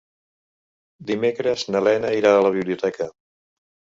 Dimecres na Lena irà a la biblioteca.